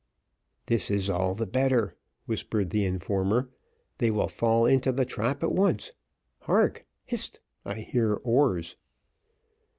"This is all the better," whispered the informer, "they will fall into the trap at once. Hark! hist! I hear oars."